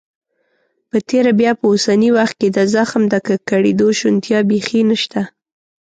په تیره بیا په اوسني وخت کې د زخم د ککړېدو شونتیا بيخي نشته.